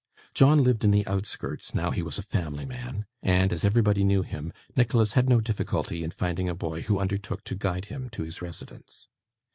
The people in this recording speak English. John lived in the outskirts, now he was a family man; and as everbody knew him, Nicholas had no difficulty in finding a boy who undertook to guide him to his residence.